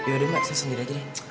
yaudah mbak saya sendiri aja deh